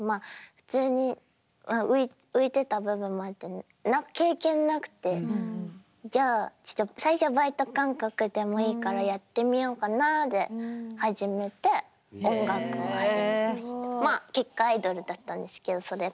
普通に浮いてた部分もあって経験なくてじゃあちょっと最初はバイト感覚でもいいからやってみようかなで始めて音楽を始めてまあ結果アイドルだったんですけどそれが。